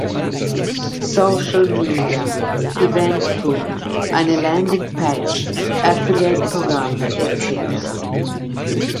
Social Media, Event-Foren, eine Landing Page, Affiliate-Programme etc.